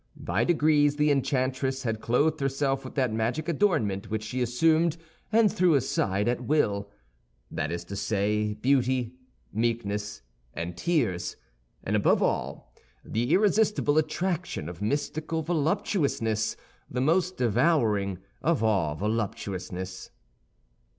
By degrees the enchantress had clothed herself with that magic adornment which she assumed and threw aside at will; that is to say, beauty, meekness, and tears—and above all, the irresistible attraction of mystical voluptuousness, the most devouring of all voluptuousness.